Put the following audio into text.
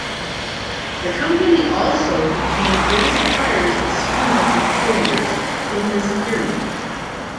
The Company also became early suppliers of steam engine cylinders in this period.